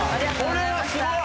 これはすごい！